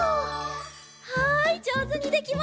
はいじょうずにできました。